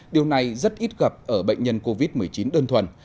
điều này rất ít gặp ở bệnh nhân covid một mươi chín đơn thuần